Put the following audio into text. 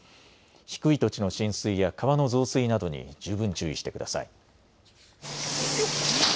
低い土地の浸水や川の増水などに十分注意してください。